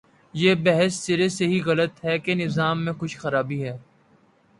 یہ بحث سرے سے ہی غلط ہے کہ نظام میں کچھ خرابی ہے۔